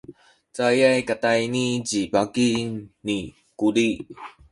caay katayni ci baki ni Kuli.